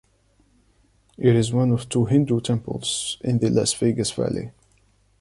It is one of two Hindu temples in the Las Vegas Valley.